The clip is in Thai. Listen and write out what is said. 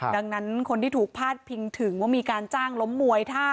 ดังนั้นคนที่ถูกพาดพิงถึงว่ามีการจ้างล้มมวย